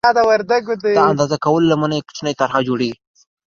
د اندازه کولو لمنه یې کوچنۍ طرحه او جوړېږي.